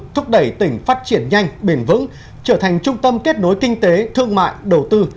thúc đẩy tỉnh phát triển nhanh bền vững trở thành trung tâm kết nối kinh tế thương mại đầu tư